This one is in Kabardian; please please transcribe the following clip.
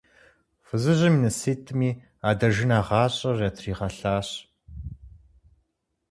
Фызыжьым и ныситӀми адэжынэ гъащӀэр ятригъэлъащ.